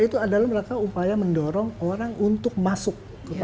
itu adalah mereka upaya mendorong orang untuk masuk